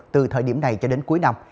từ thời điểm này cho đến cuối năm